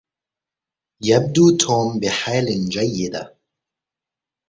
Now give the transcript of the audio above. يبدو توم بحال جيدة.